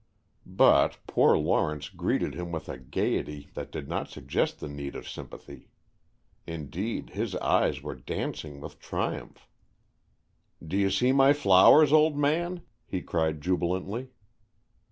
But poor Lawrence greeted him with a gayety that did not suggest the need of sympathy. Indeed, his eyes were dancing with triumph. "Do you see my flowers, old man?" he cried jubilantly.